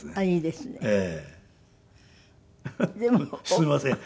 すいません。